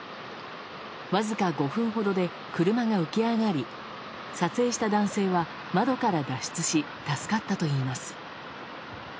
わずか５分ほどで車が浮き上がり撮影した男性は窓から脱出し助かったといいます。